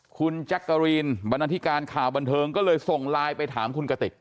คุณแจ๊กกะรีนบรรณาธิการข่าวบันเทิงก็เลยส่งไลน์ไปถามคุณกติก